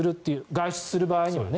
外出する場合にはね。